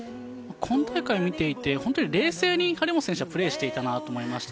今大会見ていて本当に冷静に張本選手、プレーしていたと思います。